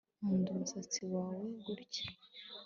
nkunda umusatsi wawe gutya